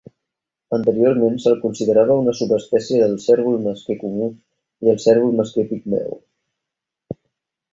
Anteriorment se'l considerava una subespècie del cérvol mesquer comú i el cérvol mesquer pigmeu.